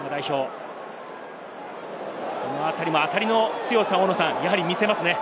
このあたりも当たりの強さを見せますね。